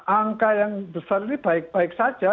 angka yang besar ini baik baik saja